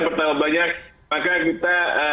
bertambah banyak maka kita